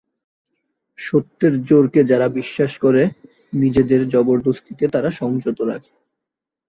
সত্যের জোরকে যারা বিশ্বাস করে নিজেদের জবরদস্তিকে তারা সংযত রাখে।